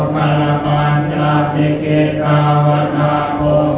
สุดท้ายเท่าไหร่สุดท้ายเท่าไหร่